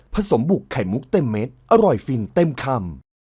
สมบุกไข่มุกเต็มเม็ดอร่อยฟินเต็มคำ